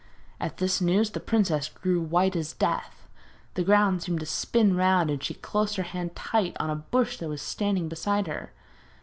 At this news the princess grew as white as death. The ground seemed to spin round, and she closed her hand tight on a bush that was standing beside her.